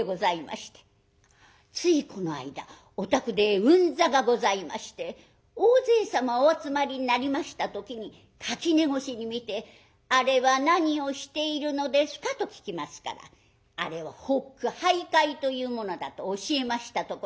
ついこの間お宅で運座がございまして大勢様お集まりになりました時に垣根越しに見て『あれは何をしているのですか？』と聞きますからあれは発句俳諧というものだと教えましたところ